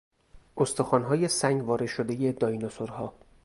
استخوانهای سنگواره شدهی دایناسورها